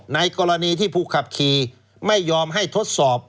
ในกรณีที่ผู้ขับขี่ไม่ยอมให้ทดสอบ